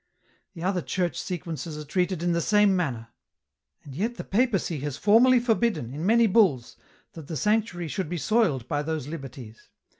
" The other Church sequences are treated in the same manner. " And yet the Papacy has formally forbidden, in many bulls, that the sanctuary should be soiled by those liberties.